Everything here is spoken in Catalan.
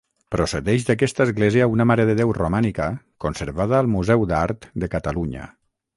Procedeix d'aquesta església una Mare de Déu romànica conservada al Museu d'Art de Catalunya.